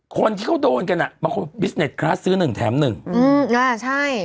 คนที่เขาโดนกันน่ะบิศเนสคลาสซื้อหนึ่งแทมนึงอื้ออ่าใช่